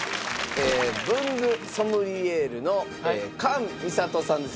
文具ソムリエールの菅未里さんです。